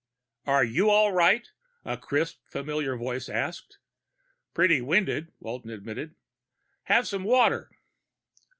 "Are you all right?" a crisp, familiar voice asked. "Pretty winded," Walton admitted. "Have some water."